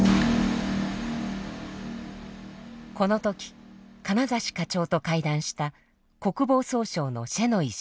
この時金指課長と会談した国防総省のシェノイ氏。